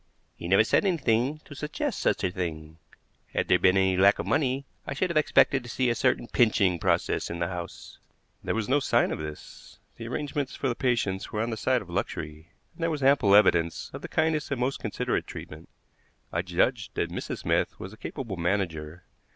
"He never said anything to suggest such a thing. Had there been any lack of money, I should have expected to see a certain pinching process in the house." There was no sign of this. The arrangements for the patients were on the side of luxury, and there was ample evidence of the kindest and most considerate treatment. I judged that Mrs. Smith was a capable manager.